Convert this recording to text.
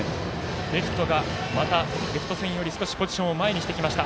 レフトがまたレフト線よりポジションを前にしてきました。